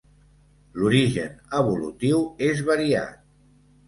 L'origen evolutiu és variat.